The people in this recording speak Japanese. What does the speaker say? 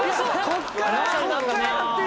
ここから。